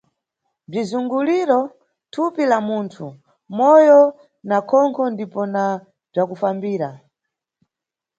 Bzizunguliro, thupi la munthu, Moyo na Khonkho ndipo na bzakufambira.